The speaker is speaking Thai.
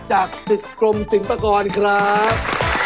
จากสิทธิกลมสิงหกรครับ